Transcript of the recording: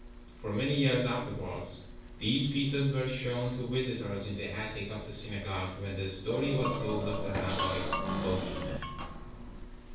For many years afterward these pieces were shown to visitors in the attic of the synagogue when the story was told of the rabbi's bogey man.